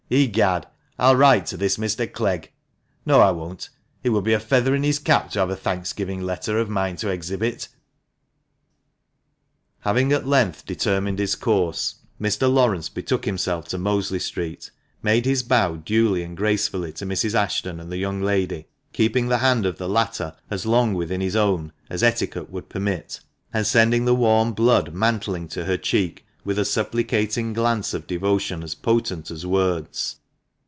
Egad ! I'll write to this Mr. Clegg. No, I won't. It would be a feather in his cap to have a thanksgiving letter of mine to exhibit." Having at length determined his course, Mr. Laurence betook himself to Mosley Street, made his bow duly and gracefully to Mrs. Ashton and the young lady, keeping the hand of the latter as long within his own as etiquette would permit, and sending the warm blood mantling to her cheek, with a supplicating glance of devotion as potent as words.